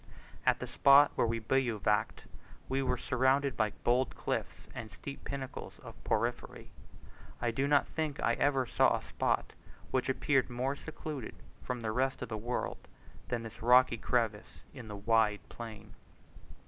At the spot where we bivouacked, we were surrounded by bold cliffs and steep pinnacles of porphyry. I do not think I ever saw a spot which appeared more secluded from the rest of the world, than this rocky crevice in the wide plain.